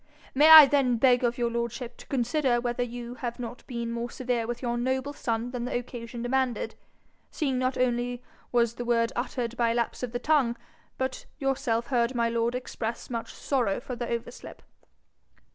'May I then beg of your lordship to consider whether you have not been more severe with your noble son than the occasion demanded, seeing not only was the word uttered by a lapse of the tongue, but yourself heard my lord express much sorrow for the overslip?'